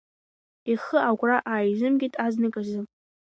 Ихы агәра ааизымгеит азныказы.